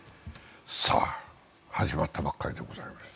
始まったばっかりでございます。